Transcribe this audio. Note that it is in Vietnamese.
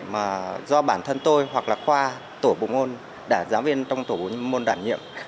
mà do bản thân tôi hoặc là khoa tổ bộ ngôn giáo viên trong tổ bộ ngôn đảm nhiệm